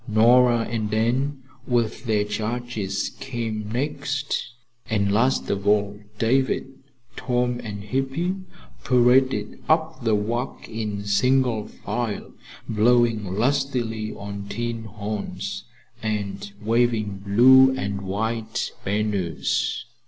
Nora and Anne, with their charges, came next, and last of all David, Tom and Hippy paraded up the walk, in single file, blowing lustily on tin horns and waving blue and white banners.